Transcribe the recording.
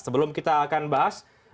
sebelum kita akan bahas